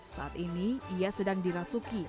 saat ini ia sedang dirasuki